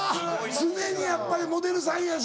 常にやっぱりモデルさんやし。